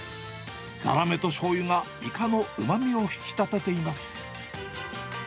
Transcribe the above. ザラメとしょうゆがイカのうまみを引き立てています。